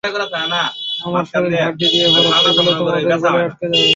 আমার শরীর হাড্ডি দিয়ে ভরা, সেগুলো তোমাদের গলায় আঁটকে যাবে।